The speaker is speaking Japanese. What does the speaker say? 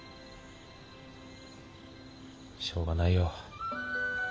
しょうがないよ。